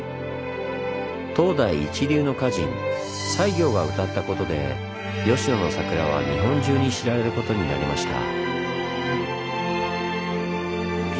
当代一流の歌人西行が歌ったことで吉野の桜は日本中に知られることになりました。